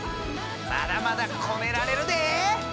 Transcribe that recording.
まだまだこねられるで！